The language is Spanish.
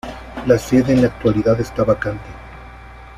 La sede en la actualidad está vacante.